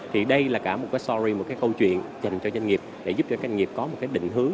thì đây là cả một cái sorey một cái câu chuyện dành cho doanh nghiệp để giúp cho doanh nghiệp có một cái định hướng